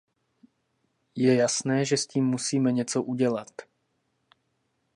Je jasné, že s tím musíme něco dělat.